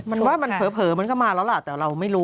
มันว่ามันเผลอมันก็มาแล้วล่ะแต่เราไม่รู้